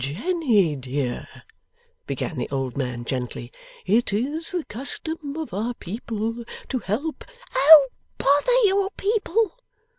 'Jenny dear,' began the old man gently, 'it is the custom of our people to help ' 'Oh! Bother your people!